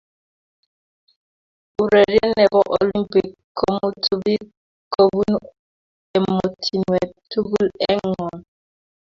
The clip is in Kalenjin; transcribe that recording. Urerie ne bo olimpik komutuu biik kobunu emotinweek tugul eng ngony.